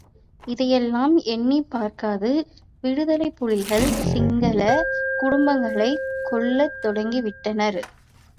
இதையெல்லாம் எண்ணிப் பார்க்காது விடுதலைப் புலிகள் சிங்களக் குடும்பங்களைக் கொல்லத் தொடங்கி விட்டனர்.